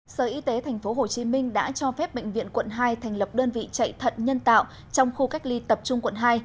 sở y tế tp hcm đã cho phép bệnh viện quận hai thành lập đơn vị chạy thận nhân tạo trong khu cách ly tập trung quận hai